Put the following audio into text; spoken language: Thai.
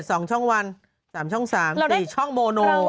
ช่อง๗๒ช่องวัน๓ช่อง๓๔ช่องโมโน